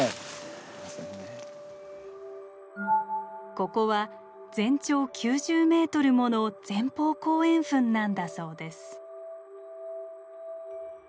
ここは全長９０ｍもの前方後円墳なんだそうです。